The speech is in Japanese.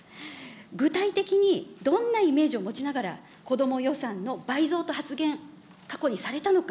具体的にどんなイメージを持ちながら、子ども予算の倍増と発言、過去にされたのか。